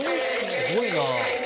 すごいな。